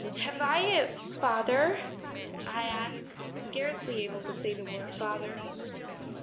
Have I a father?" I asked, scarcely able to say the word "father."